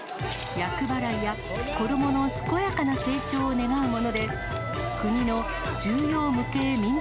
厄払いや子どもの健やかな成長を願うもので、国の重要無形民俗